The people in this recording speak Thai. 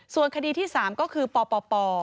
ส่วนคดีที่๓ก็คือปป